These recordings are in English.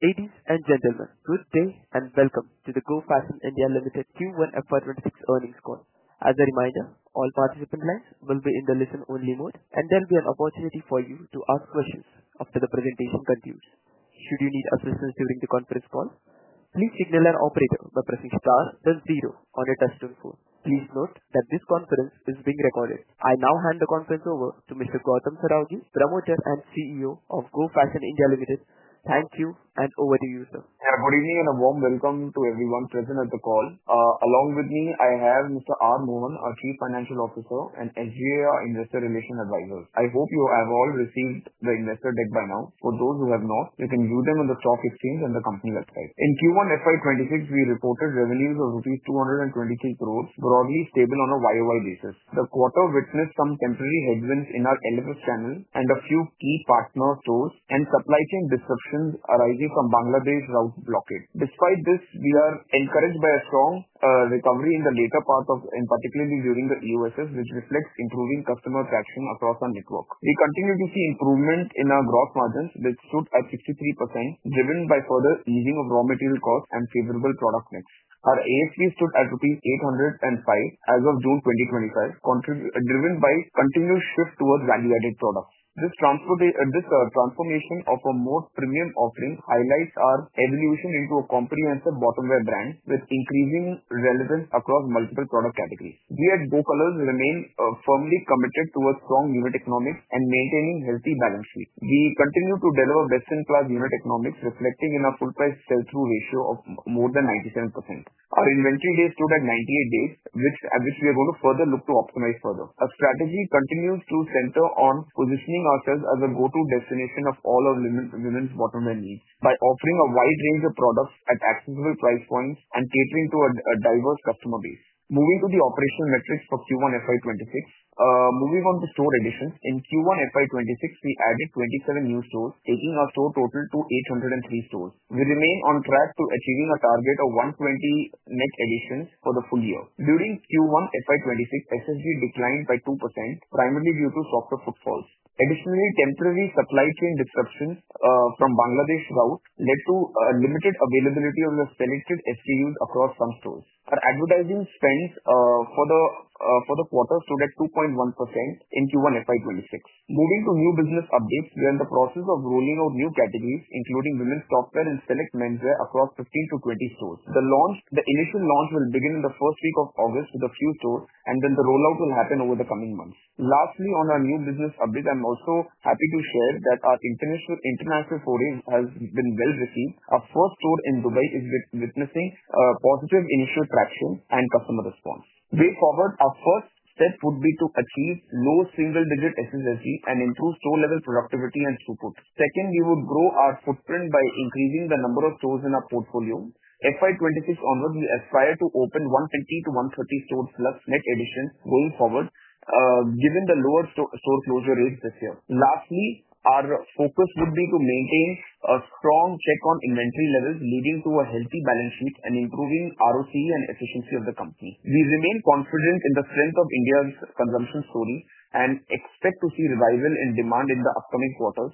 Ladies and gentlemen, good day and welcome to the Go Fashion India Limited Q1 FY26 Earnings Call. As a reminder, all participant lines will be in the listen-only mode, and there will be an opportunity for you to ask questions after the presentation concludes. Should you need assistance during the conference call, please signal an operator by pressing star 0 on a touch-tone phone. Please note that this conference is being recorded. I now hand the conference over to Mr. Gautam Saraogi, Promoter and CEO of Go Fashion (India) Limited. Thank you and over to you, sir. Good evening and a warm welcome to everyone present at the call. Along with me, I have Mr. R. Mohan, our Chief Financial Officer and SGA Investor Relations Advisor. I hope you have all received the investor deck by now. For those who have not, you can view them on the stock exchange and the company website. In Q1 FY26, we reported revenues of rupees 223 crores, broadly stable on a YoY basis. The quarter witnessed some temporary headwinds in our LFS channel and a few key partner stores, and supply chain disruptions arising from Bangladesh route blockade. Despite this, we are encouraged by a strong recovery in the data path, particularly during the EOSS, which reflects improving customer traction across our network. We continue to see improvement in our gross margins, which stood at 63%, driven by further easing of raw material costs and favorable product mix. Our ASP stood at INR 805 as of June 2025, driven by a continuous shift towards value-added products. This transformation of a more premium offering highlights our evolution into a comprehensive bottom wear brand with increasing relevance across multiple product categories. We at Go Colors remain firmly committed towards strong unit economics and maintaining a healthy balance sheet. We continue to deliver best-in-class unit economics, reflecting in our full-price sell-through ratio of more than 97%. Our inventory days stood at 98 days, which we are going to further look to optimize further. Our strategy continues to center on positioning ourselves as a go-to destination for all our women's bottom wear needs by offering a wide range of products at accessible price points and catering to a diverse customer base. Moving to the operational metrics for Q1 FY26, moving on to store additions. In Q1 FY26, we added 27 new stores, taking our store total to 803 stores. We remain on track to achieving a target of 120 net additions for the full year. During Q1 FY26, SSSSG declined by 2%, primarily due to softer footfalls. Additionally, temporary supply chain disruptions from Bangladesh route led to limited availability on those selected SKUs across some stores. Our advertising spend for the quarter stood at 2.1% in Q1 FY26. Moving to new business updates, we are in the process of rolling out new categories, including women's top wear and select men's wear, across 15-20 stores. The initial launch will begin in the first week of August to the few stores, and then the rollout will happen over the coming months. Lastly, on our new business updates, I'm also happy to share that our international foray has been well received. Our first store in Dubai is witnessing positive initial traction and customer response. We forward our first step would be to achieve low single-digit SSSG and improve store-level productivity and throughput. Second, we would grow our footprint by increasing the number of stores in our portfolio. FY26 onward, we aspire to open 130-150 stores plus net additions going forward, given the lower store closure rates this year. Lastly, our focus would be to maintain a strong check on inventory levels, leading to a healthy balance sheet and improving RoCE and efficiency of the company. We remain confident in the strength of India's consumption story and expect to see a revival in demand in the upcoming quarters,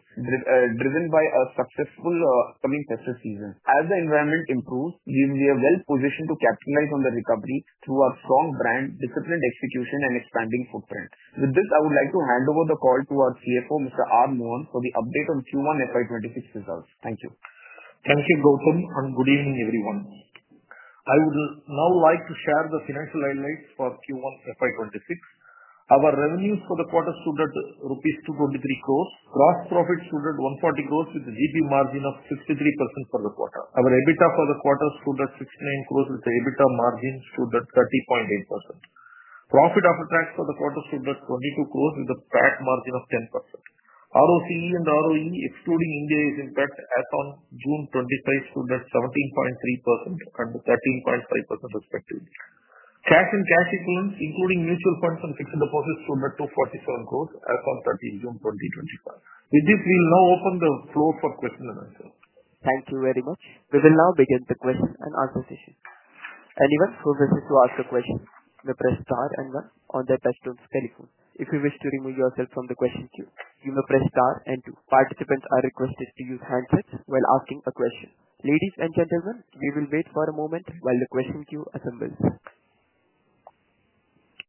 driven by a successful upcoming festive season. As the environment improves, we are well positioned to capitalize on the recovery through our strong brand, disciplined execution, and expanding footprint. With this, I would like to hand over the call to our CFO, Mr. R. Mohan, for the update on Q1 FY26 results. Thank you. Thank you, Gautam, and good evening, everyone. I would now like to share the financial highlights for Q1 FY26. Our revenues for the quarter stood at rupees 223 crores. Gross profit stood at 140 crores with a gross margin of 53% for the quarter. Our EBITDA for the quarter stood at 69 crores, with the EBITDA margin at 30.8%. Profit after tax for the quarter stood at 22 crores, with a flat margin of 10%. RoCE and RoE, excluding Ind AS tax as on June 25, stood at 17.3% and 13.5% respectively. Cash and cash equivalents, including mutual funds and fixed deposits, stood at 247 crores as on June 30, 2025. With this, we will now open the floor for questions and answers. Thank you very much. We will now begin the question and answer session. Anyone who wishes to ask a question may press star 1 on their touch-tone phone. If you wish to remove yourself from the question queue, you may press star 2. Participants are requested to use handsets while asking a question. Ladies and gentlemen, we will wait for a moment while the question queue assembles.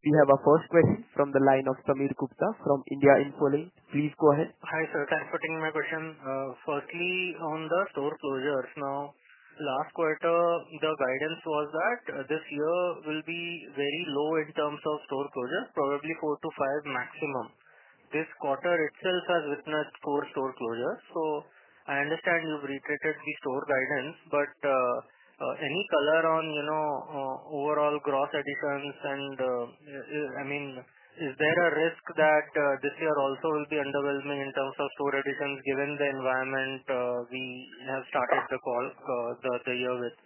We have our first question from the line of Sameer Gupta from India Infoline. Please go ahead. Hi, sir. Thanks for taking my question. Firstly, on the store closures, last quarter the guidance was that this year will be very low in terms of store closures, probably four to five maximum. This quarter itself has witnessed four store closures. I understand you've reiterated the store guidance, but any color on overall gross additions, and is there a risk that this year also will be undervalued in terms of store additions, given the environment we have started the year with?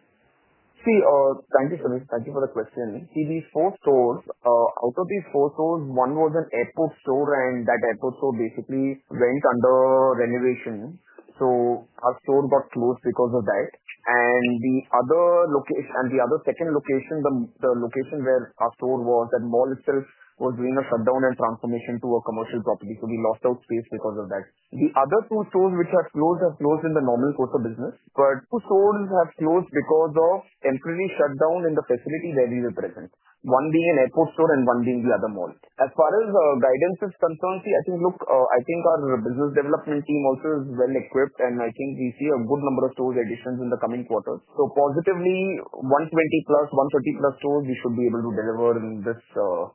Thank you, Sameer. Thank you for the question. These four stores, out of these four stores, one was an airport store, and that airport store basically went under renovation. Our store got closed because of that. The other second location, the location where our store was, that mall itself was doing a shutdown and transformation to a commercial property, so we lost our space because of that. The other two stores which had closed have closed in the normal course of business, but two stores have closed because of temporary shutdown in the facility where we were present, one being an airport store and one being the other mall. As far as guidance is concerned, I think our business development team also is well equipped, and I think we see a good number of store additions in the coming quarters. Positively, 120+, 130+ stores we should be able to deliver in this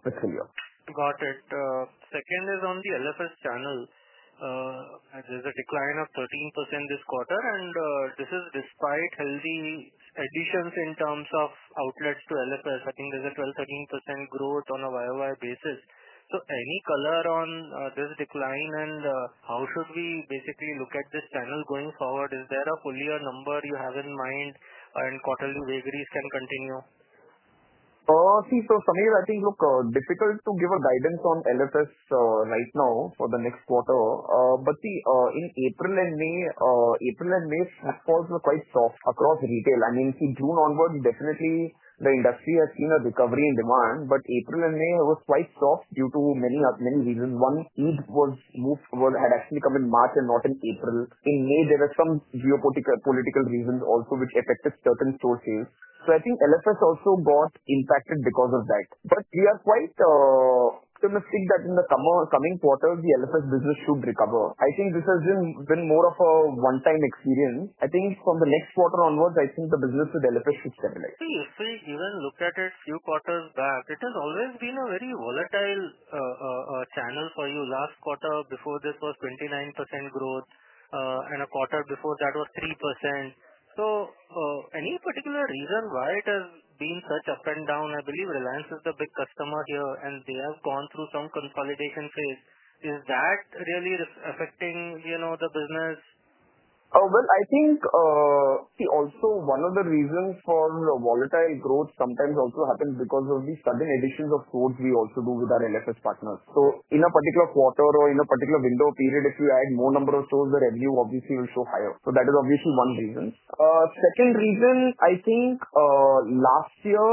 fiscal year. Got it. Second is on the LFS channel, and there's a decline of 13% this quarter, and this is despite healthy additions in terms of outlets to LFS. I think there's a 12%-13% growth on a YoY basis. Any color on this decline and how should we basically look at this channel going forward? Is there a fuller number you have in mind and quarterly vagaries can continue? See, so Sameer, I think, look, difficult to give a guidance on LFS right now for the next quarter, but in April and May, April and May, stockfalls were quite soft across retail. I mean, June onward, definitely the industry has seen a recovery in demand, but April and May was quite soft due to many reasons. One, it was moved, had actually come in March and not in April. In May, there were some geopolitical reasons also which affected certain store sales. I think LFS also got impacted because of that. We are quite optimistic that in the coming quarter, the LFS business should recover. I think this has been more of a one-time experience. I think from the next quarter onwards, the business with LFS should stabilize. See, even look at a few quarters back, it has always been a very volatile channel for you. Last quarter before this was 29% growth, and a quarter before that was 3%. Is there any particular reason why it has been such up and down? I believe Reliance Retail is the big customer here, and they have gone through some consolidation phase. Is that really affecting the business? I think, see, also one of the reasons for the volatile growth sometimes also happens because of the sudden additions of stores we also do with our LFS partners. In a particular quarter or in a particular window of period, if you add more number of stores, the revenue obviously will show higher. That is obviously one reason. Second reason, I think last year,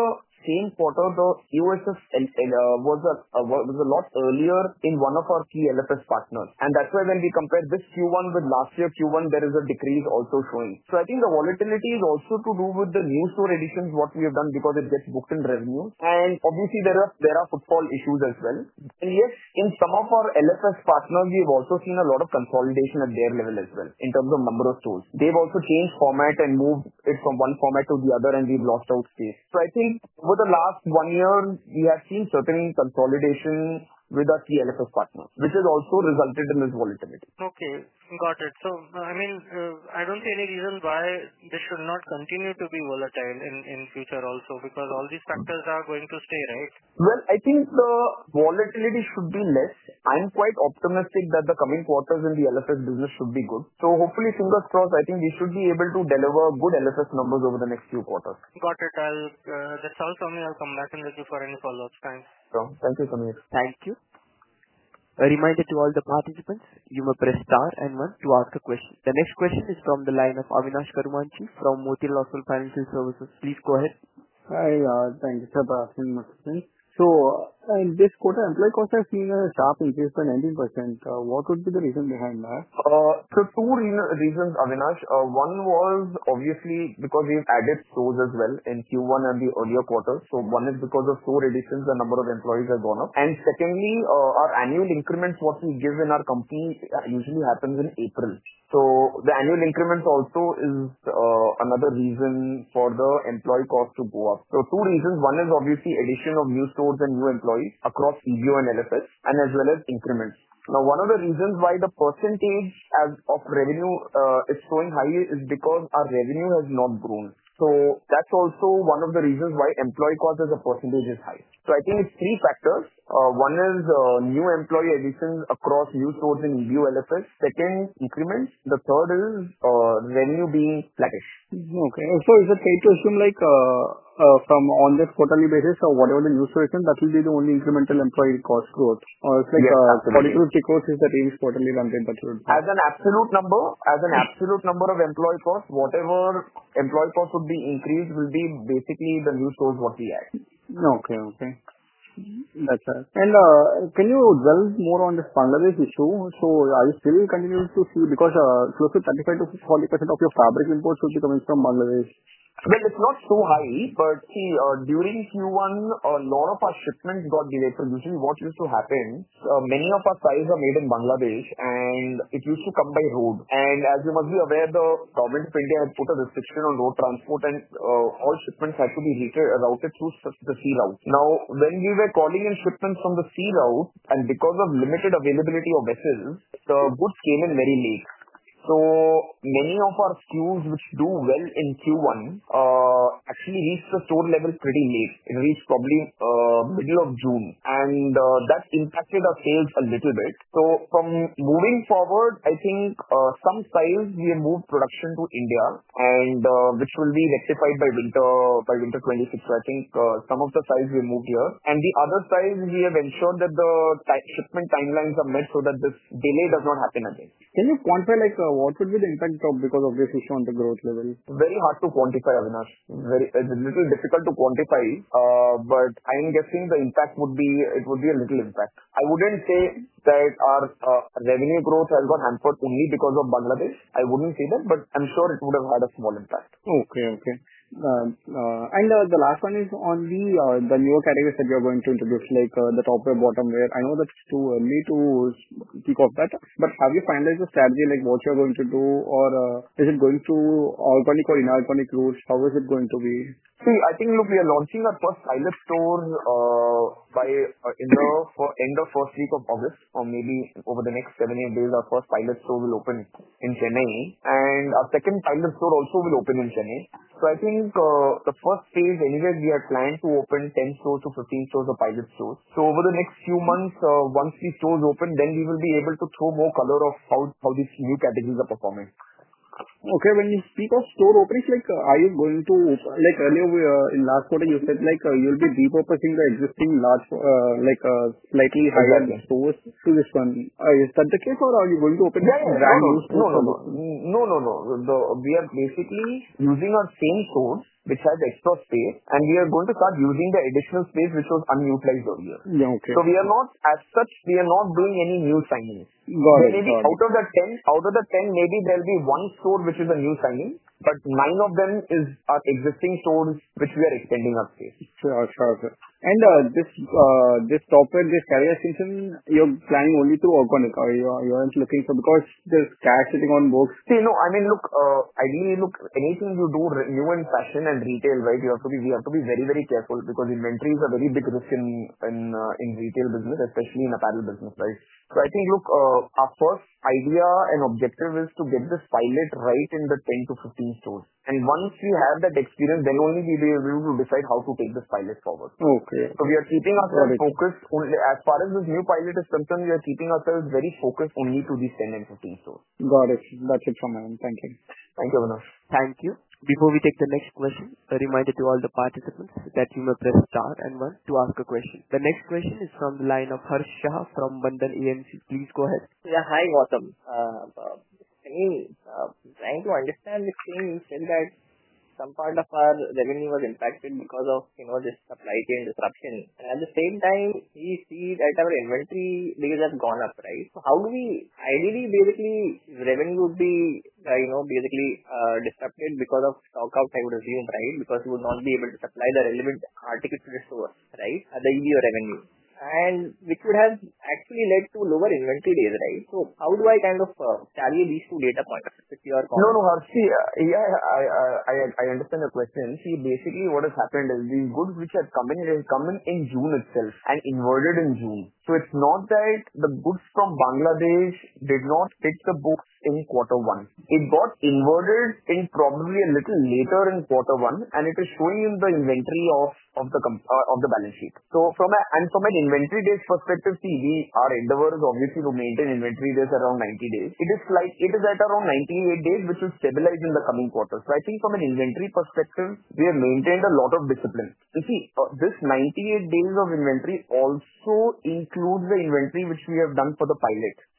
same quarter, the EOSS was a lot earlier in one of our key LFS partners. That's why when we compare this Q1 with last year Q1, there is a decrease also showing. I think the volatility is also to do with the new store additions, what we have done because it gets booked in revenue. Obviously, there are footfall issues as well. Yes, in some of our LFS partners, we have also seen a lot of consolidation at their level as well in terms of number of stores. They've also changed format and moved it from one format to the other, and we've lost out space. I think over the last one year, we have seen certain consolidation with our key LFS partner, which has also resulted in this volatility. Okay, got it. I don't see any reason why this should not continue to be volatile in the future also, because all these factors are going to stay, right? I think the volatility should be less. I'm quite optimistic that the coming quarters in the LFS business should be good. Hopefully, fingers crossed, I think we should be able to deliver good LFS numbers over the next few quarters. Got it. I'll let you all tell me. I'll come back in the queue for any follow-ups. Thanks. Thank you, Sameer. Thank you. I remind all the participants, you may press star one to ask a question. The next question is from the line of Avinash Karumanchi from Motilal Oswal Financial Services. Please go ahead. Hi, thank you for asking my question. In this quarter, employee costs are seeing a sharp increase by 19%. What would be the reason behind that? Two reasons, Avinash. One was obviously because we've added stores as well in Q1 and the earlier quarters. One is because of store additions, the number of employees has gone up. Secondly, our annual increments, which we give in our company, usually happen in April. The annual increments also are another reason for the employee cost to go up. Two reasons: one is obviously addition of new stores and new employees across EBO and LFS, as well as increments. One of the reasons why the percentage of revenue is showing high is because our revenue has not grown. That's also one of the reasons why employee cost as a percentage is high. I think it's three factors. One is new employee additions across new stores in EBO, LFS. Second, increments. The third is revenue being flattish. Okay. Is it okay to assume like from on this quarterly basis or whatever the news source is, that will be the only incremental employee cost growth? Or it's like the productivity cost is the quarterly number that will. As an absolute number, as an absolute number of employee costs, whatever employee cost would be increased will be basically the new stores what we add. Okay, okay. It's not so high, but during Q1, a lot of our shipments got delayed producing. What used to happen, many of our ties are made in Bangladesh, and it used to come by road. As you must be aware, the province of India had put a restriction on road transport, and all shipments had to be routed through the sea route. When we were calling in shipments from the sea route, and because of limited availability of vessels, the goods came in very late. Many of our SKUs, which do well in Q1, actually reached the store level pretty late. It reached probably the middle of June, and that impacted our sales a little bit. Moving forward, I think some sides we have moved production to India, and which will be rectified by winter by 2026. I think some of the sides we have moved here, and the other side, we have ensured that the shipment timelines are met so that this delay does not happen again. Can you quantify what would be the impact because of this issue on the growth level? Very hard to quantify, Avinash. It's a little difficult to quantify, but I'm guessing the impact would be a little impact. I wouldn't say that our revenue growth has got hampered only because of Bangladesh. I wouldn't say that, but I'm sure it would have had a small impact. Okay. The last one is on the newer categories that you're going to introduce, like the top wear, bottom wear. I know that's too early to speak of that, but have you finalized your strategy, like what you're going to do? or is it going through organic or inorganic routes? How is it going to be? See, I think, look, we are launching our first pilot store by end of first week of August, or maybe over the next seven or eight days, our first pilot store will open in Chennai, and our second pilot store also will open in Chennai. Okay. When you speak of store openings, are you going to, like earlier in last quarter, you said you'll be repurposing the existing large, like slightly higher stores to this one. Is that the case, or are you going to open that? No, no, no. We are basically using our same store, which has extra space, and we are going to start using the additional space, which was unutilized earlier. Yeah, okay. We are not, as such, we are not doing any new signing. Got it. Out of the 10, maybe there'll be one store which is a new signing, but nine of them are existing stores which we are extending our space. Sure. This top wear, this stylish instance, you're planning only to organic, or you aren't looking for, because there's cash sitting on boths. I mean, look, ideally, anything you do in fashion and retail, you have to be very, very careful because inventories are a very big risk in retail business, especially in apparel business. I think our first idea and objective is to get this pilot right in the 10 to 15 stores. Once we have that experience, then only we will be able to decide how to take this pilot forward. Okay. We are keeping our focus only, as far as the new pilot is concerned, we are keeping ourselves very focused only to these 10 or 15 stores. Got it. That's it from my end. Thank you. Thank you, Avinash. Thank you. some part of our revenue was impacted because of, you know, this supply chain disruption. At the same time, we see that our inventory days have gone up, right? How do we ideally, basically, revenue would be, you know, basically disrupted because of stock out, I would assume, right? Because we would not be able to supply the relevant articles to the store, right? Other than your revenue, It's not that the goods from Bangladesh did not hit the books in quarter one. It got inverted in probably a little later in quarter one, and it is showing in the inventory of the balance sheet. From an inventory days perspective, we are endeavoring, obviously, to maintain inventory days around 90 days. It is at around 98 days, which is stabilized in the coming quarter. I think from an inventory perspective, we have maintained a lot of discipline. This 98 days of inventory also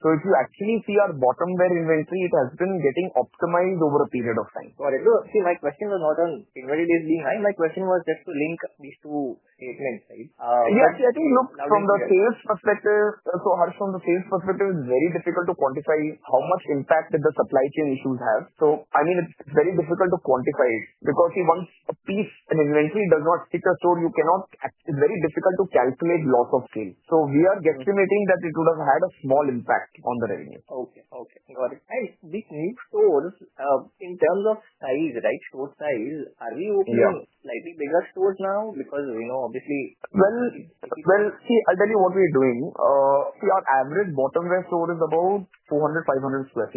If you actually see our bottom wear inventory, it has been getting optimized over a period of time. Got it. My question was not on inventory days being high. My question was just to link these two statements, right? Yes, I think, look, from the sales perspective, Harsh, from the sales perspective, it's very difficult to quantify how much impact did the supply chain issues have. I mean, it's very difficult to quantify because once the piece and inventory does not stick to a store, you cannot, it's very difficult to calculate loss of sales. We are guesstimating that it would have had a small impact on the revenue. Okay. Got it. These new stores, in terms of size, right, store size, are we opening slightly bigger stores now because, you know, obviously? I'll tell you what we're doing. Our average bottom wear store is about 400, 500 sq ft.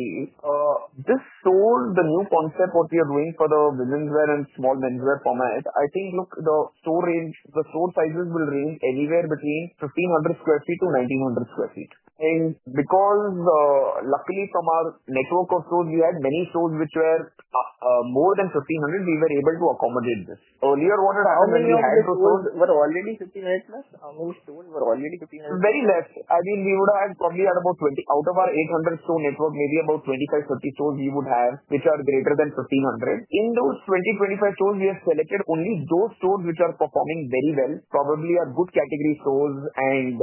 This store, the new concept what we are doing for the business wear and small men' s wear format, I think, look, the store sizes will range anywhere between 1,500 sq ft-1,900 sq ft. more than 1,500, we were able to accommodate this. Earlier, what about when you had those stores? Were already 1,500 plus? Most stores were already 1,500? Very less. I mean, we would have probably had about 20 out of our 800 store network, maybe about 25, 30 stores we would have, which are greater than 1,500. In those 20, 25 stores, we have selected only those stores which are performing very well, probably are good category stores, and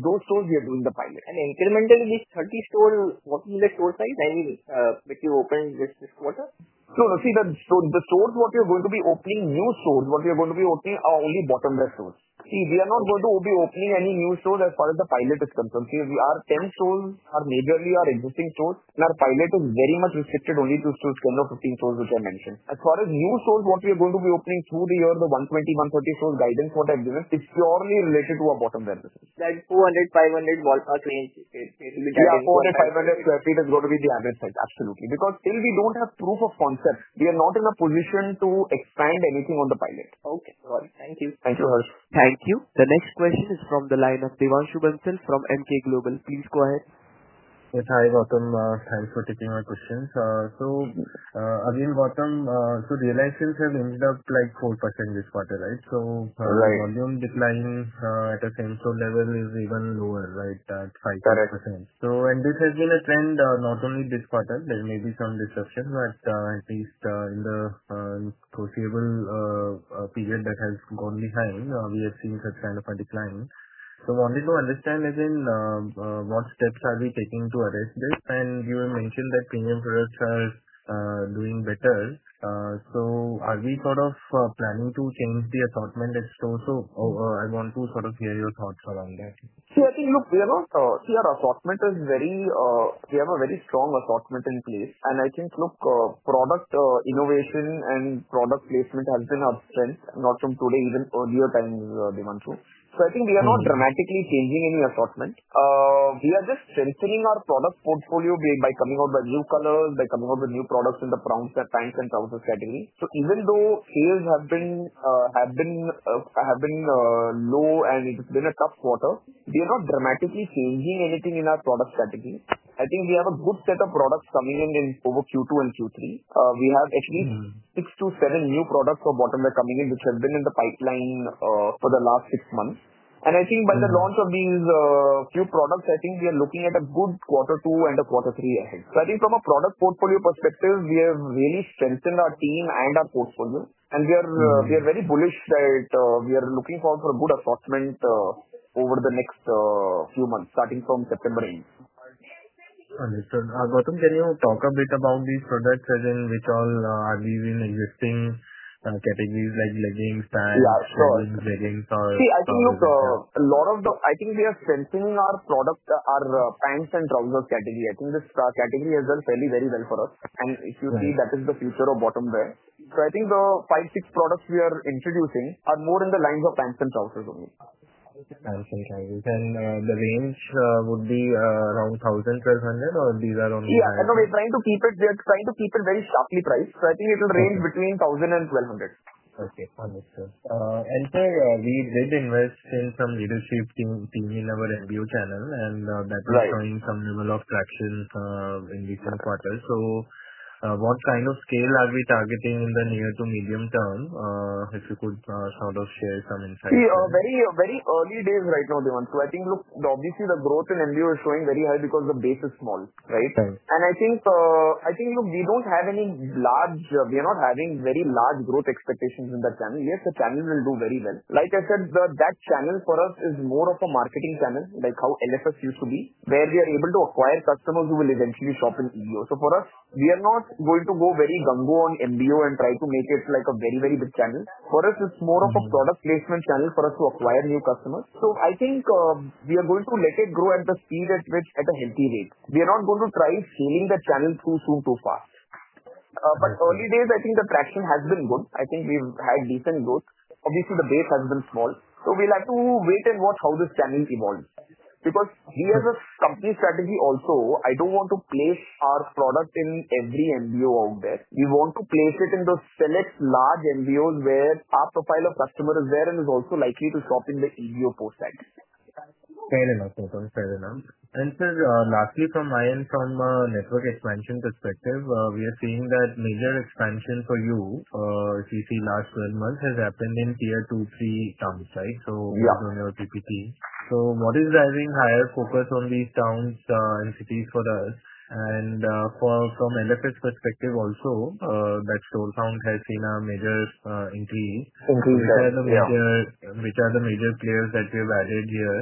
those stores we are doing the pilot. Incrementally, these 30 stores, what is the store size which you opened this quarter? We are not going to be opening any new stores as far as the pilot is concerned. If we are 10 stores, our majorly are existing stores, and our pilot is very much restricted only to 10 or 15 stores which I mentioned. As far as new stores we are going to be opening through the year, the 120, 130 stores guidance I've given, it's purely related to our bottom wear. Like 200, 500, what are changing? Yeah, 400, 500 sq ft is going to be the average size, absolutely. Since we don't have proof of concept, we are not in a position to expand anything on the pilot. Okay, got it. Thank you. Thank you, Harsh. Yes, hi, Gautam. Thanks for taking my questions. Gautam, the license has ended up like 4% this quarter, right? Our volume decline at the same store level is even lower, at 5%. This has been a trend, not only this quarter. There may be some disruption, but at least in the foreseeable period that has gone behind, we have seen such kind of a decline. I wanted to understand, as in, what steps are we taking to address this? You mentioned that premium products are doing better. Are we sort of planning to change the assortment? I want to hear your thoughts around that. See, I think, look, we are not, see, our assortment is very, we have a very strong assortment in place. I think, look, product innovation and product placement has been upswing, not from today, even earlier times, Devanshu. We are not dramatically changing any assortment. We are just strengthening our product portfolio by coming out with new colors, by coming out with new products in the prompts and pants and trousers category. Even though sales have been low and it has been a tough quarter, we are not dramatically changing anything in our product strategy. I think we have a good set of products coming in over Q2 and Q3. We have actually six to seven new products for bottom wear coming in, which have been in the pipeline for the last six months. By the launch of these few products, I think we are looking at a good quarter two and a quarter three ahead. From a product portfolio perspective, we have really strengthened our team and our portfolio. We are very bullish that we are looking forward to a good assortment over the next few months, starting from September. Understood. Gautam, can you talk a bit about these products, as in which all are we in existing categories like leggings, pants, jeans, leggings, or? I think we are strengthening our product, our pants and trousers category. I think this category has done fairly very well for us. If you see, that is the future of bottom wear. I think the five, six products we are introducing are more in the lines of pants and trousers only. Pants and trousers. The range would be around 1,200, these are on the line. Yeah, no, we're trying to keep it, we're trying to keep it very stockly priced. I think it will range between 1,000 and 1,200. Okay, understood. Sir, we did invest in some leadership team in our MBO channel, and that was showing some level of traction in recent quarters. What kind of scale are we targeting in the near to medium term? If you could sort of share some insights. See, very, very early days right now, Devanshu. I think, obviously the growth in MBO is showing very high because the base is small, right? We don't have any large, we are not having very large growth expectations in that channel. Yes, the channel will do very well. Like I said, that channel for us is more of a marketing channel, like how LFS used to be, where we are able to acquire customers who will eventually shop in EBO. For us, we are not going to go very gumbo on MBO and try to make it like a very, very big channel. For us, it's more of a product placement channel for us to acquire new customers. I think we are going to let it grow at a speed at which, at a healthy rate. We are not going to try scaling the channel too soon, too fast. Early days, I think the traction has been good. We've had decent growth. Obviously, the base has been small. We like to wait and watch how this channel evolves. We have a company strategy also, I don't want to place our product in every MBO out there. We want to place it in the select large MBOs where our profile of customer is there and is also likely to shop in the EBO port side. Fair enough. That's fair enough. Lastly, from my end, from a network expansion perspective, we are seeing that major expansion for you, if you see last 12 months has happened in tier two, three towns, right? Yeah. What is driving higher focus on these towns and cities for us? From LFS perspective also, that store count has seen a major increase. Increase. Which are the major players that we've added here?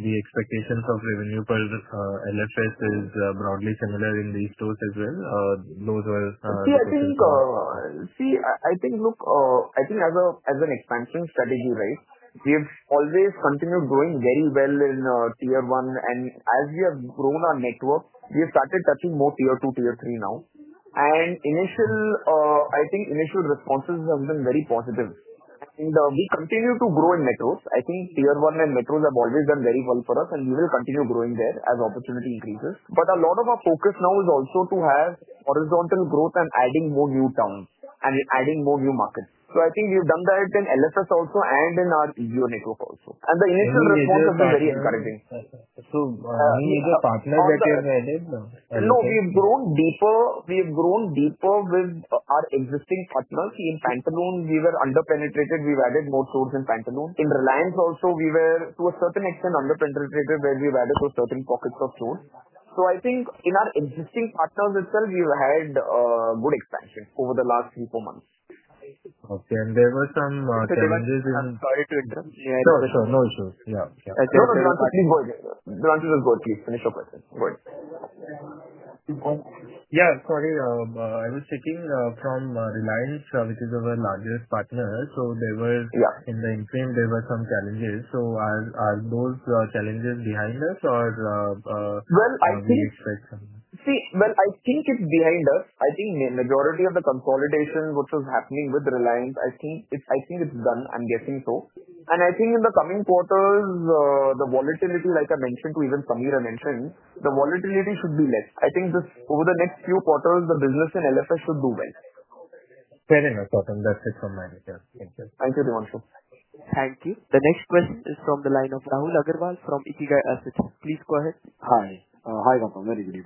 The expectations of revenue per LFS is broadly similar in these stores as well. Those are. I think as an expansion strategy, we have always continued growing very well in tier one. As we have grown our network, we have started touching more tier two, tier three now. Initial responses have been very positive. We continue to grow in metros. I think tier one and metros have always done very well for us, and we will continue growing there as opportunity increases. A lot of our focus now is also to have horizontal growth and adding more new towns and adding more new markets. I think we've done that in the LFS also and in our EU network also. The initial response has been very encouraging. Any new partners that you have added? No, we've grown deeper. We have grown deeper with our existing partners. See, in Pantaloons, we were underpenetrated. We've added more stores in Pantaloons. In Reliance also, we were, to a certain extent, underpenetrated where we've added to a certain pocket of stores. I think in our existing partners itself, we've had a good expansion over the last three or four months. Okay, there were some challenges in. I'm sorry to interrupt. Yeah, it's okay. No, it's okay. Yeah. No, no. Please go ahead. Please finish your question. Go ahead. Keep going. Yeah, sorry. I was thinking from Reliance Retail, which is our largest partner, there were some challenges. Are those challenges behind us, or do you expect some? I think it's behind us. I think the majority of the consolidation, which was happening with Reliance, I think it's done. I'm guessing so. I think in the coming quarters, the volatility, like I mentioned to even Sameer and mentioned, the volatility should be less. I think this over the next few quarters, the business in LFS should do well. Fair enough, Gautam. That's it from my end. Thank you. Thank you, Devanshu. Thank you. The next question is from the line of Rahul Agarwal from IKIGAI Asset. Please go ahead. Hi. Hi, Gautam. Very good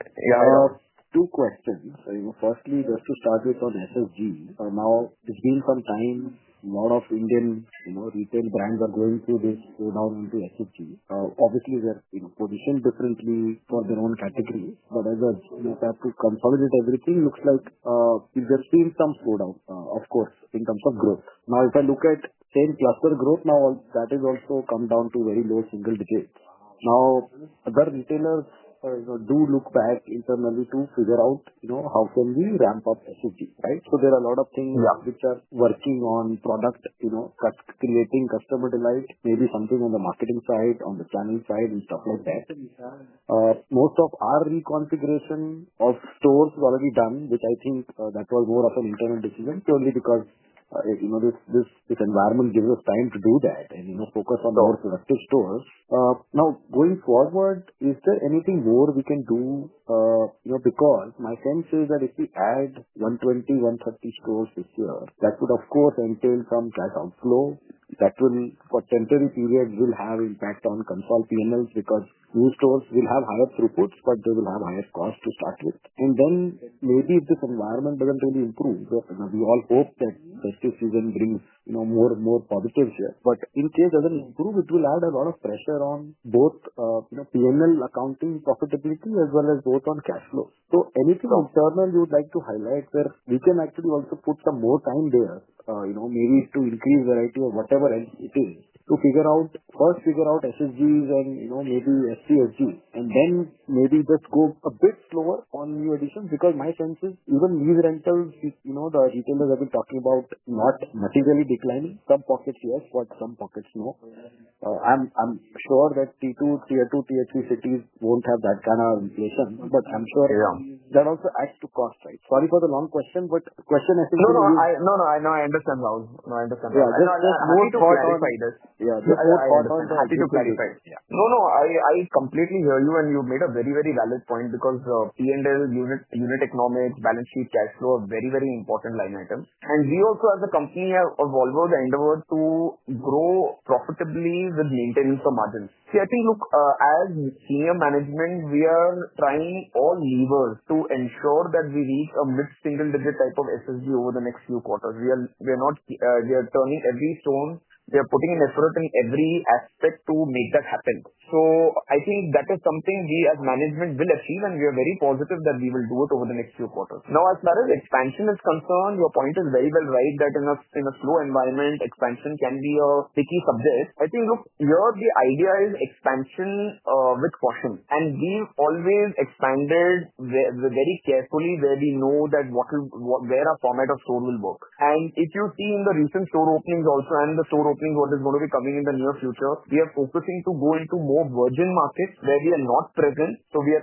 evening. There are two questions. Firstly, just to start with on SSSG. Now, it's been some time, a lot of Indian retail brands are going through this slowdown into SSSG. Obviously, they're positioned differently for their own category. As you know, to consolidate everything, it looks like we're seeing some slowdown, of course, in terms of growth. If I look at same cluster growth, that has also come down to very low single digits. Other retailers do look back internally to figure out, you know, how can we ramp up SSSG, right? There are a lot of things which are working on product, creating customer delight, maybe something on the marketing side, on the channel side, and stuff like that. Most of our reconfiguration of stores is already done, which I think was more of an internal decision, purely because this environment gives us time to do that and focus on our selected stores. Going forward, is there anything more we can do? My sense is that if we add 120, 130 stores this year, that would, of course, entail some flat outflow. That will, for certain periods, have an impact on consult P&Ls because new stores will have higher throughputs, but they will have higher costs to start with. Maybe if this environment doesn't really improve, we all hope that festive season brings more and more positives here. In case it doesn't improve, it will have a lot of pressure on both P&L accounting profitability as well as both on cash flow. Anything internal you would like to highlight where we can actually also put some more time there, maybe to increase variety or whatever else it is to figure out, first figure out SSSGs and maybe SCSG. Maybe let's go a bit slower on new additions because my sense is even these rentals, the retailers I've been talking about, not necessarily declining. Some pockets yes, but some pockets no. I'm sure that tier two, tier three cities won't have that kind of inflation, but I'm sure that also adds to cost side. Sorry for the long question, but the question has to be. No, I understand, Rahul. No, I understand. I just want to clarify this. Yeah, I was. Happy to clarify. No, no, I completely hear you, and you made a very, very valid point because P&L, unit economics, balance sheet, cash flow are very, very important line items. We also, as a company, have evolved and endeavored to grow profitably with maintenance of margins. See, I think, look, as senior management, we are trying all levers to ensure that we reach a mid-single-digit type of SSSG over the next few quarters. We are not, we are turning every stone. We are putting an effort in every aspect to make that happen. I think that is something we, as management, will achieve, and we are very positive that we will do it over the next few quarters. Now, as far as expansion is concerned, your point is very well right that in a slow environment, expansion can be a tricky subject. I think, look, the idea is expansion with caution. We've always expanded very carefully where we know that our format of store will work. If you've seen the recent store openings also and the store openings that are going to be coming in the near future, we are focusing to go into more virgin markets where we are not present. We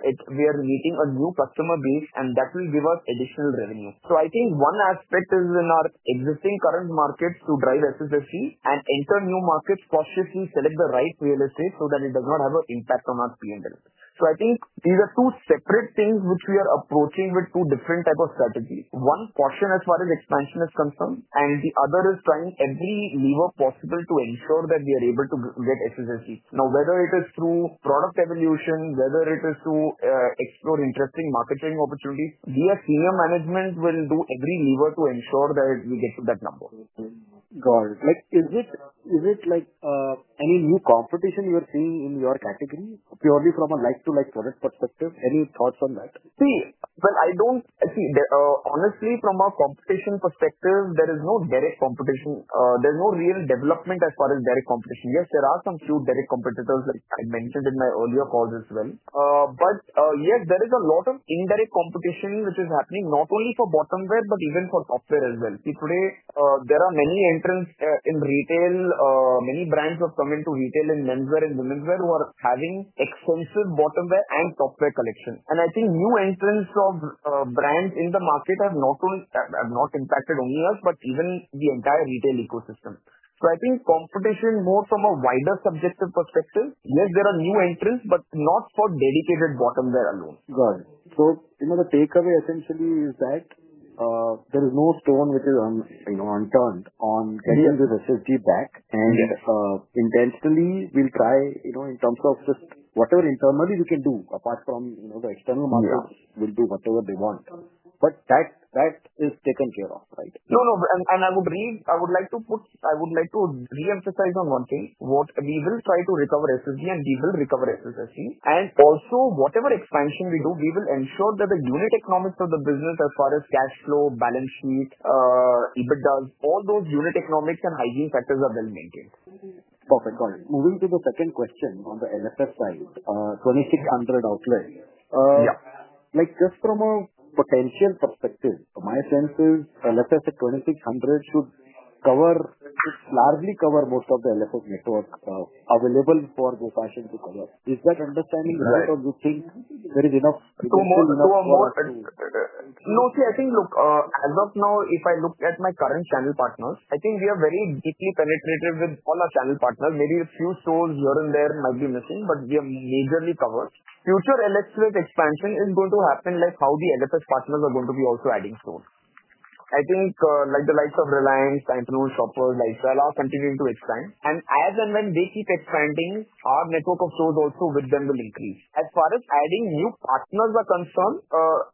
are making a new customer base, and that will give us additional revenue. I think one aspect is in our existing current markets to drive SSSG and enter new markets cautiously, select the right real estate so that it does not have an impact on our P&L. These are two separate things which we are approaching with two different types of strategies. One portion, as far as expansion is concerned, and the other is trying every lever possible to ensure that we are able to get SSSG. Whether it is through product evolution, whether it is to explore interesting marketing opportunities, we as senior management will do every lever to ensure that we get to that number. Got it. Next, is it like any new competition you're seeing in your category purely from a like-to-like product perspective? Any thoughts on that? See, honestly, from a competition perspective, there is no direct competition. There's no real development as far as direct competition. Yes, there are some few direct competitors I mentioned in my earlier calls as well. Yes, there is a lot of indirect competition which is happening not only for bottom wear, but even for top wear as well. See, today, there are many entrants in retail. Many brands have come into retail in men's wear and women's wear who are having extensive bottom wear and top wear collection. I think new entrants of brands in the market have not only impacted only us, but even the entire retail ecosystem. I think competition more from a wider subjective perspective, yes, there are new entrants, but not for dedicated bottom wear alone. Got it. The takeaway essentially is that there is no stone which is unturned on getting the SSSG back. Intentionally, we'll try, in terms of just whatever internally we can do apart from the external market, we'll do whatever they want. That is taken care of, right? No, no. I would like to reemphasize on one thing. We will try to recover SSSG and we will recover SSSG. Also, whatever expansion we do, we will ensure that the unit economics of the business as far as cash flow, balance sheet, EBITDA, all those unit economics and hygiene factors are well maintained. Perfect. Moving to the second question on the LFS side, 2,600 outlets. Yeah, just from a potential perspective, my sense is LFS at 2,600 should largely cover most of the LFS network available for Go Fashion to cover. Is that understanding right, or do you think there is enough? No, see, I think, look, as of now, if I look at my current channel partners, I think we are very deeply penetrated with all our channel partners. Maybe a few stores here and there might be missing, but we are majorly covered. Future LFS expansion is going to happen like how the LFS partners are going to be also adding stores. I think like the likes of Reliance, Pantaloons, Shoppers, like they are continuing to expand. As and when they keep expanding, our network of stores also with them will increase. As far as adding new partners are concerned,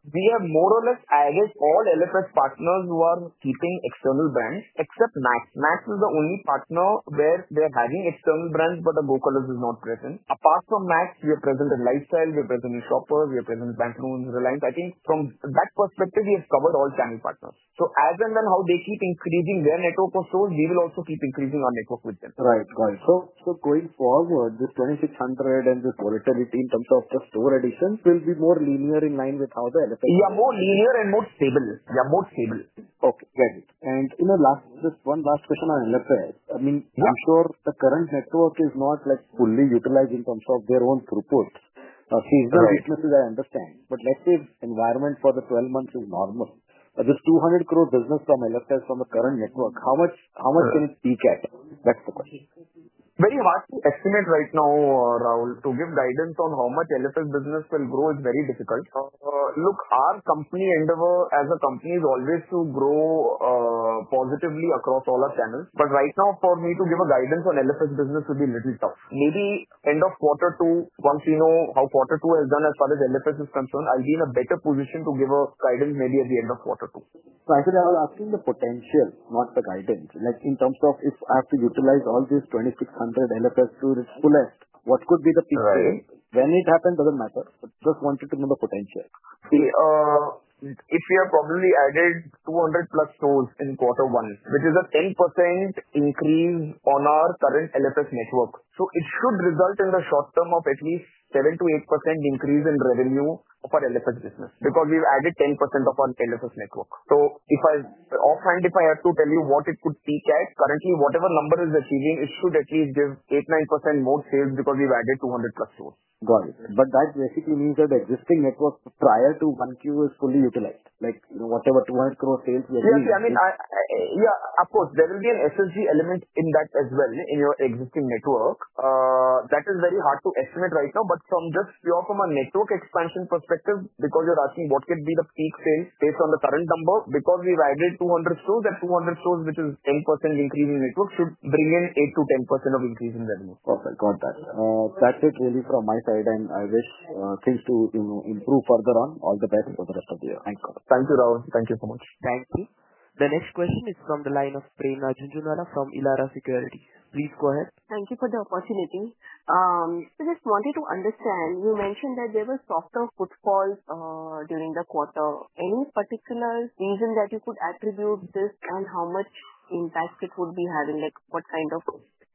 we have more or less added all LFS partners who are keeping external brands except Max. Max is the only partner where they're having external brands, but the GoColors is not present. Apart from Max, we are present at Lifestyle, we are present at Shoppers, we are present at Pantaloons, Reliance. I think from that perspective, we have covered all channel partners. As and when how they keep increasing their network of stores, we will also keep increasing our network with them. Right, right. Going forward, the 2,600 and the 4,000 in terms of the store addition will be more linear in line with how the LFS. Yeah, more linear and more stable. Yeah, more stable. Okay, got it. Just one last question on LFS. I'm sure the current network is not fully utilized in terms of their own throughputs. See, the businesses, I understand. Let's say environment for the 12 months is normal. This 200 crore business from LFS from the current network, how much can it take out? That's the question. Very hard to estimate right now, Rahul. To give guidance on how much LFS business will grow is very difficult. Look, our company endeavor, as a company, is always to grow positively across all our channels. Right now, for me to give a guidance on LFS business would be a little tough. Maybe end of quarter two, once you know how quarter two has gone as far as LFS is concerned, I'll be in a better position to give a guidance maybe at the end of quarter two. I think I was asking the potential, not the guidance. In terms of if I have to utilize all these 2,600 LFS stores, what could be the potential? When it happens, it doesn't matter. Just wanted to know the potential. See, if we have probably added 200 plus stores in quarter one, which is a 10% increase on our current LFS network, it should result in the short term of at least 7%-8% increase in revenue for LFS business because we've added 10% of our LFS network. If I offhand, if I have to tell you what it could take out, currently, whatever number is receiving, it should at least give 8%-9% more sales because we've added 200 plus stores. Got it. That basically means that the existing network prior to 1Q is fully utilized, like whatever, 200 crore sales maybe. Yes, I mean, yeah, of course, there will be an SSSG element in that as well in your existing network. That is very hard to estimate right now. From just pure from a network expansion perspective, because you're asking what could be the peak sales based on the current number, because we've added 200 stores, at 200 stores, which is 10% increase in network, should bring in 8% to 10% of increase in revenue. Perfect. Got that. That's it really from my side. I wish things to improve further on. All the best for the rest of the year. Thank you, Rahul. Thank you so much. Thank you. The next question is from the line of Prerna Jhunjhunwala from Elara Securities. Please go ahead. Thank you for the opportunity. I just wanted to understand. You mentioned that there were softer footfalls during the quarter. Any particular reason that you could attribute this, and how much impact it would be having, like what kind of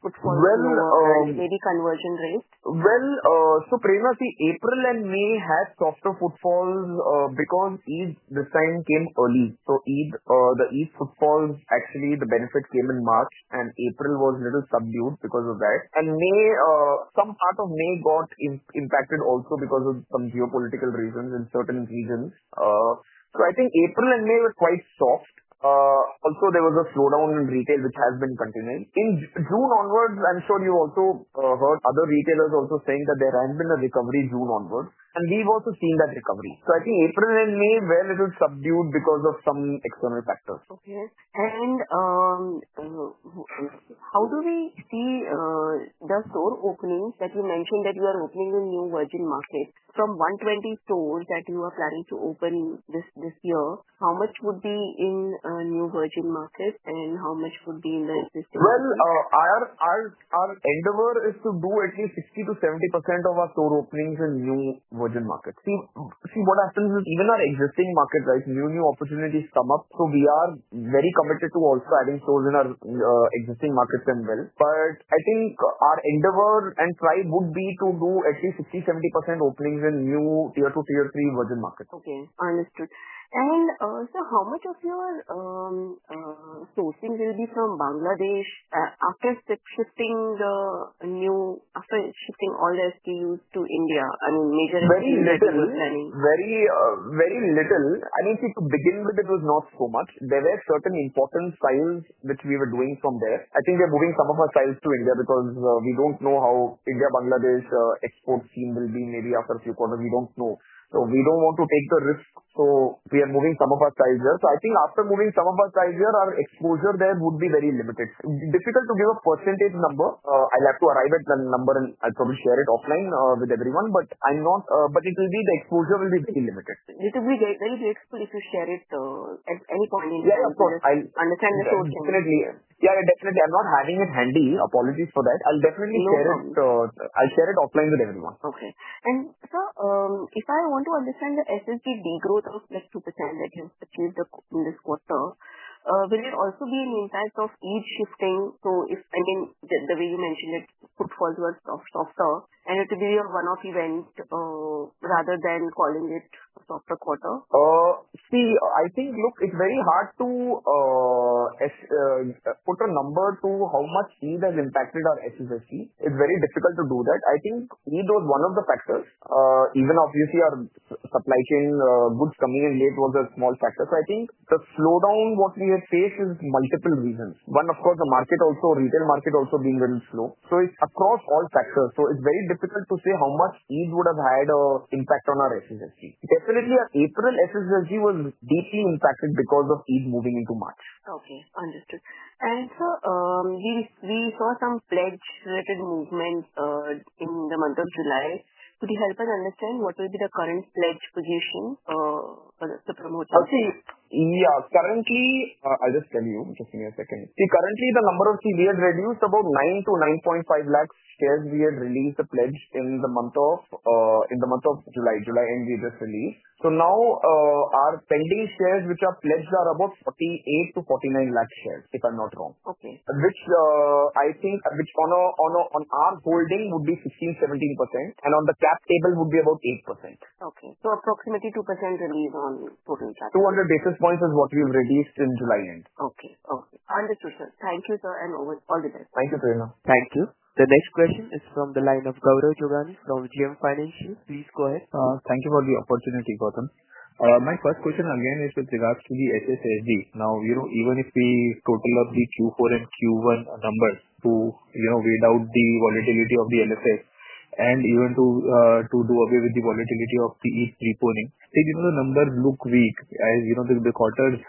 footfalls would be? Maybe conversion rates? Prerna, see, April and May had softer footfalls because Eid's design came early. The Eid footfalls, actually, the benefits came in March, and April was a little subdued because of that. May, some part of May got impacted also because of some geopolitical reasons in certain regions. I think April and May were quite soft. There was a slowdown in retail, which has been continuing. In June onwards, I'm sure you also heard other retailers also saying that there has been a recovery June onwards. We've also seen that recovery. I think April and May were a little subdued because of some external factors. Okay. How do we see the store openings that you mentioned, that you are opening in new virgin markets? From 120 stores that you are planning to open this year, how much would be in new virgin markets and how much would be in the existing? Our endeavor is to do at least 60%-70% of our store openings in new virgin markets. See, what happens is even our existing markets, right, new opportunities come up. We are very committed to also adding stores in our existing markets as well. I think our endeavor and try would be to do at least 60-70% openings in new tier two, tier three virgin markets. Okay. Understood. How much of your sourcing will be from Bangladesh after shifting all the SKUs to India? I mean, major hesitations. Very little. Very, very little. I mean, to begin with, it was not so much. There were certain important sales which we were doing from there. I think we are moving some of our sales to India because we don't know how India-Bangladesh exports team will be maybe after a few quarters. We don't know. We don't want to take the risk. We are moving some of our sales there. After moving some of our sales there, our exposure there would be very limited. Difficult to give a percentage number. I'll have to arrive at the number and I'll probably share it offline with everyone. The exposure will be very limited. You tell me, can you do it so we can share it? Any comment? Yeah, of course. I understand your thoughts. I'm not having it handy. Apologies for that. I'll definitely share it. I'll share it offline with everyone. Okay. If I want to understand the SSSG growth of +2% that has been achieved in this quarter, will it also be an impact of Eid shifting? If, again, the way you mentioned it, footfalls were softer, it would be a one-off event rather than calling it a softer quarter? See, I think, look, it's very hard to put a number to how much Eid has impacted our SSSG. It's very difficult to do that. I think Eid was one of the factors. Obviously, our supply chain goods coming in, maybe it was a small factor. I think the slowdown we have faced is multiple reasons. One, of course, the retail market also being a little slow. It's across all factors. It's very difficult to say how much Eid would have had an impact on our SSSG. Definitely, our April SSSG was deeply impacted because of Eid moving into March. Okay. Understood. Sir, we saw some pledge-related movements in the month of July. Could you help us understand what would be the current pledge position? Yeah, currently, I'll just tell you, just give me a second. See, currently, the number of shares we had reduced, about nine to 9.5 lakh shares, we had released the pledge in the month of July. July end we just released. Now our pending shares which are pledged are about 48 to 49 lakh shares, if I'm not wrong. Okay. Which I think on our holding would be 16%-17%. On the cap table, it would be about 8%. Okay, so approximately 2% to leave on total cap. 200 basis points is what we've reduced since July end. Okay. Okay. Understood, sir. Thank you, sir, and all the best. Thank you, Prerna. Thank you. The next question is from the line of Gaurav Jogani from JM Financial. Please go ahead. Thank you for the opportunity, Gautam. My first question again is with regards to the SSSG. Now, even if we total up the Q4 and Q1 numbers to, without the volatility of the LFS and even to do away with the volatility of the EOSS, the numbers look weak. The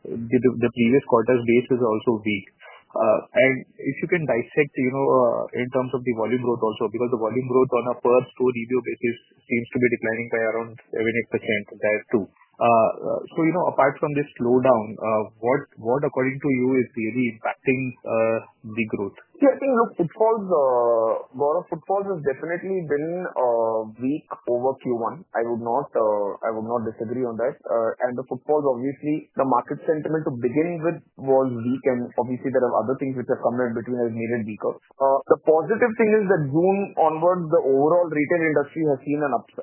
previous quarter's data is also weak. If you can dissect in terms of the volume growth also, because the volume growth on a per store EBO basis seems to be declining by around 7%, 8%, that too. Apart from this slowdown, what, what according to you is really impacting the growth? See, I think, look, the growth of footfalls has definitely been weak over Q1. I would not disagree on that. The footfalls, obviously, the market sentiment to begin with was weak. Obviously, there are other things which have come in between which made it weaker. The positive thing is that June onward, the overall retail industry has seen an uptick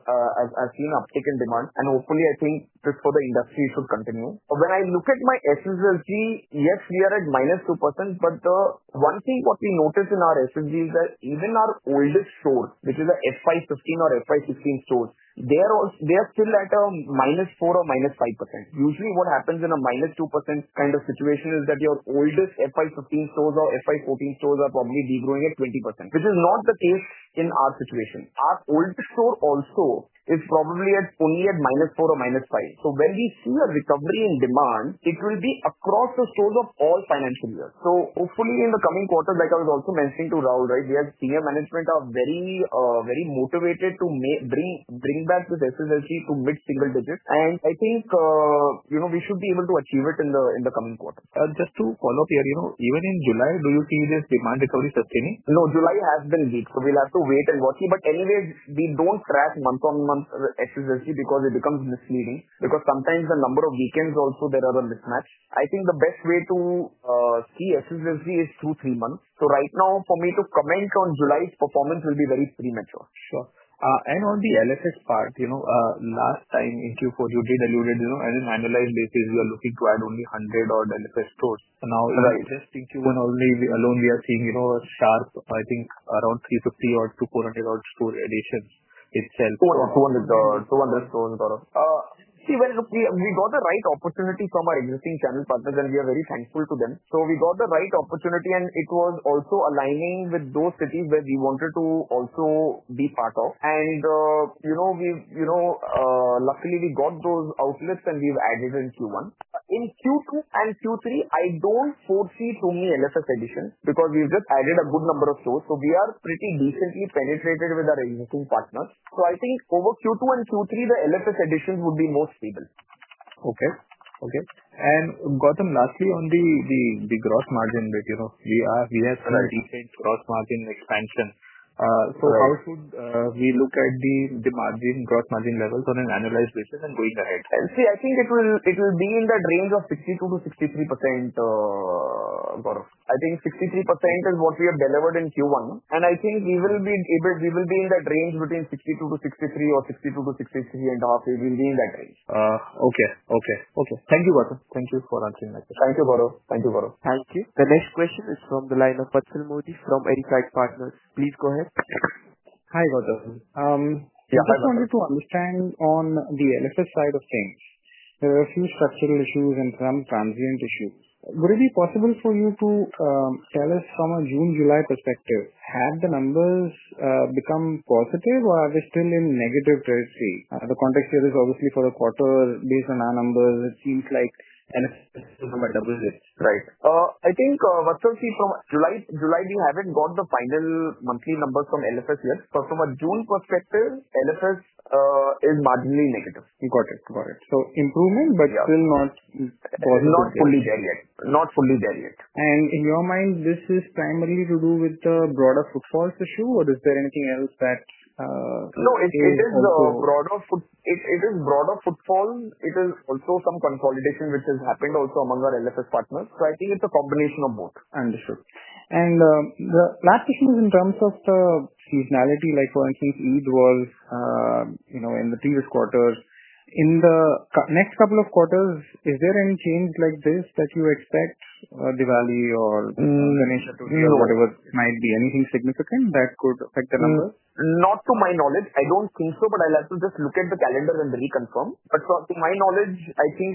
in demand. Hopefully, I think this for the industry should continue. When I look at my SSSG, yes, we are at -2%. The one thing we notice in our SSSG is that even our oldest store, which is the FY15 or FY16 stores, they are still at a -4% or -5%. Usually, what happens in a -2% kind of situation is that your oldest FY15 stores or FY14 stores are probably regrowing at 20%, which is not the case in our situation. Our oldest store also is probably only at -4% or -5%. When we see a recovery in demand, it will be across the stores of all financial years. Hopefully, in the coming quarter, like I was also mentioning to Rahul, we as senior management are very, very motivated to bring back this SSSG to mid-single digits. I think we should be able to achieve it in the coming quarter. Just to follow up here, even in July, do you think this demand recovery is sustaining? No, July has been weak. We will have to wait and watch. Anyway, we do not track month-on-month SSSG because it becomes misleading. Sometimes the number of weekends also there are a mismatch. I think the best way to see SSSG is two, three months. Right now, for me to comment on July's performance will be very premature. Sure. On the LFS part, last time in Q4, you did allude, as an annualized basis, we are looking to add only 100 odd LFS stores. Now, just in Q1 alone, we are seeing a start, I think, around 350 odd to 400 odd store additions itself. 200 stores, 200 stores, Gautam. See, we got the right opportunity from our existing channel partners, and we are very thankful to them. We got the right opportunity, and it was also aligning with those cities where we wanted to also be part of. You know, luckily, we got those outlets, and we've added in Q1. In Q2 and Q3, I don't foresee too many LFS additions because we've just added a good number of stores. We are pretty decently penetrated with our existing partners. I think over Q2 and Q3, the LFS additions would be more stable. Okay. Gautam, lastly, on the gross margin ratio, we have a decent gross margin expansion. How should we look at the gross margin levels on an annualized basis and going ahead? See, I think it will be in that range of 62-63%. I think 63% is what we have delivered in Q1. I think we will be in that range between 62%-63% or 62%-63% and up. We will be in that range. Okay. Okay. Okay. Thank you, Gautam. Thank you for answering my question. Thank you, Gaurav. Thank you. The next question is from the line of Vatsal Mody from Arisaig Partners. Please go ahead. Hi, Gautam. I just wanted to understand on the LFS side of things. There are a few structural issues and some transient issues. Would it be possible for you to tell us from a June-July perspective, have the numbers become positive or are they still in negative currency? The context here is obviously for the quarter. Based on our numbers, it seems like an excellent number. I think, Vatsal, see, from July, we haven't got the final monthly numbers from LFS yet. From a June perspective, LFS is marginally negative. Got it. Got it. Improvement, but still not positive. Not fully there yet. Not fully there yet. In your mind, is this primarily to do with the broader footfalls issue, or is there anything else that? No, it is a broader footfall. It is broader footfall. It is also some consolidation which has happened also among our LFS partners. I think it's a combination of both. Understood. The last question is in terms of the seasonality, like for instance, Eid was in the previous quarters. In the next couple of quarters, is there any change like this that you expect, Diwali or Ganesha Tuesday, whatever it might be? Anything significant that could affect the numbers? Not to my knowledge. I don't think so, but I'll have to just look at the calendar and reconfirm. To my knowledge, I think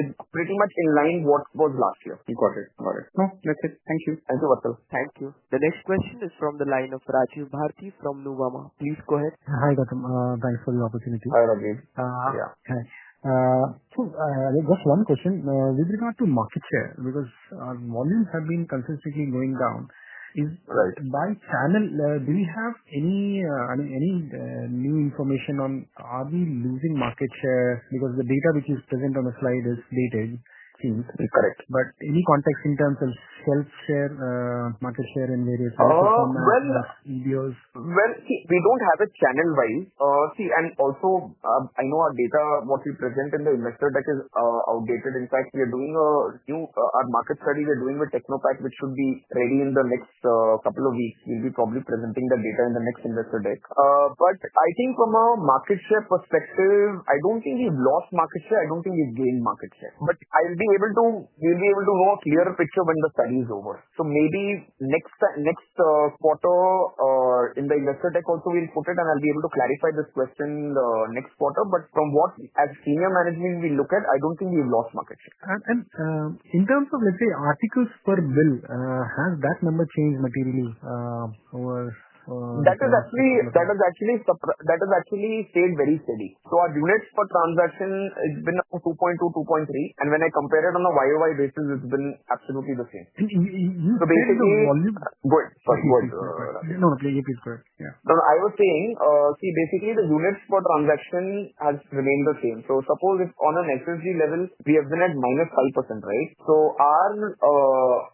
it's pretty much in line with what was last year. Got it. Got it. That's it. Thank you. Thank you, Vatsal. Thank you. The next question is from the line of Rajiv Bharti from Nuvama. Please go ahead. Hi, Gautam. Thanks for the opportunity. Hi, Rajiv. Yeah. Hi. Sure. There was one question with regard to market share because our volumes have been consistently going down. Is by channel, do we have any, I mean, any new information on are we losing market share? Because the data which is present on the slide is data in chains. Correct. there any context in terms of sales share or market share in various formats, like EBOs? We don't have a channel-wise. I know our data, what we present in the investor deck, is outdated. In fact, we are doing a new market study with Technopack, which should be ready in the next couple of weeks. We'll probably be presenting that data in the next investor deck. I think from a market share perspective, I don't think we've lost market share. I don't think we've gained market share. I'll be able to, we'll be able to give a more clear picture when the study is over. Maybe next quarter or in the investor deck also we'll put it, and I'll be able to clarify this question next quarter. From what as Senior Management we look at, I don't think we've lost market share. In terms of, let's say, articles per bill, has that number changed materially? That has actually stayed very steady. Our units per transaction have been 2.2, 2.3, and when I compare it on a YoY basis, it's been absolutely the same. You said volume? Go ahead. Go ahead. No, no, no, please go ahead. No, I was saying, see, basically, the units per transaction has remained the same. Suppose if on an SSSG level, we have been at -5%, our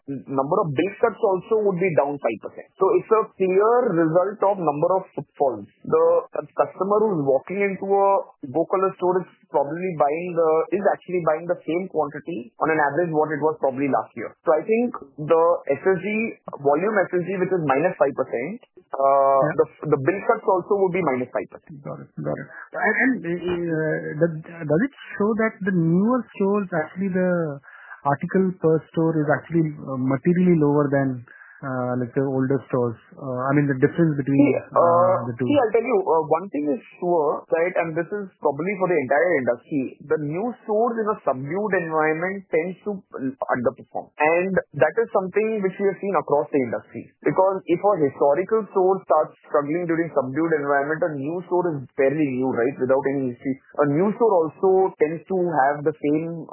number of base sets also would be down 5%. It's a clear result of number of footfalls. The customer who's walking into a Go Colors store is actually buying the same quantity on an average what it was probably last year. I think the SSSG volume SSSG, which is -5%, the base sets also would be -5%. Got it. Does it show that the newer stores, actually, the article per store is actually materially lower than like the older stores? I mean, the difference between the two. I'll tell you, one thing is sure, right, and this is probably for the entire industry. The new stores in a subdued environment tend to underperform. That is something which we have seen across the industry. If our historical stores start struggling during a subdued environment, a new store is barely new, right, without any issue. A new store also tends to have the same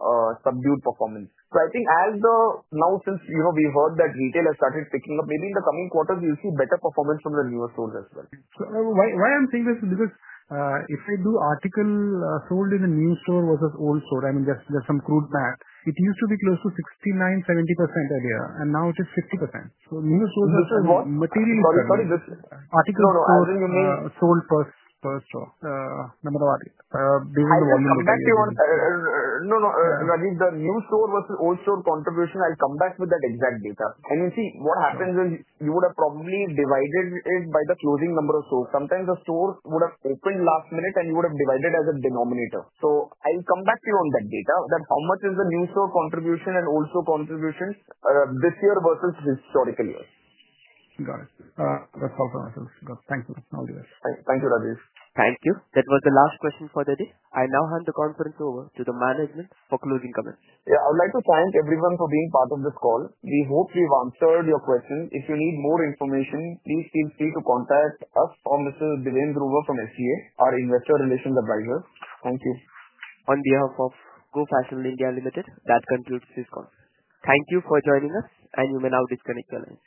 subdued performance. I think as the, now, since you know we've heard that retail has started picking up, maybe in the coming quarters, you'll see better performance from the newer stores as well. I'm saying this is because if I do article sold in a new store versus old store, I mean, just some crude math, it used to be close to 69%-70% earlier, and now it is 50%. New stores. This is what? Material inventory. Sorry, this? Article storing units. Sold per store. Number of articles. Based on the volume material. Can I ask you one? No, no. Rajiv, the new store versus old store contribution, I'll come back with that exact data. What happens is you would have probably divided it by the closing number of stores. Sometimes the stores would have opened last minute, and you would have divided as a denominator. I'll come back to you on that data, that how much is the new store contribution and old store contribution this year versus the historical year. Got it. That's all for our questions. Thank you for all the questions. Thank you, Rajiv. Thank you. That was the last question for the day. I now hand the conference over to the management for closing comments. Yeah, I would like to thank everyone for being part of this call. We hope we've answered your question. If you need more information, please feel free to contact us or Mr. Mohan Raju from SGA, our investor relations advisor. Thank you. On behalf of Go Fashion (India) Limited, that concludes this call. Thank you for joining us, and you may now disconnect your line.